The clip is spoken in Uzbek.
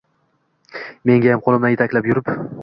Mengayam qo‘limdan yetaklab yurib